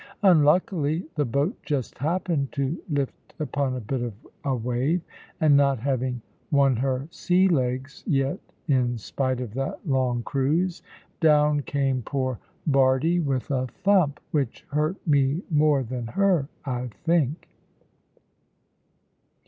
Unluckily, the boat just happened to lift upon a bit of a wave, and, not having won her sea legs yet in spite of that long cruise, down came poor Bardie with a thump, which hurt me more than her, I think.